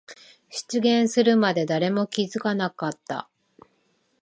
出現するまで誰も気づかなかった。